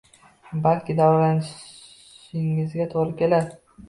Balki davolanishingizga toʻgʻri kelar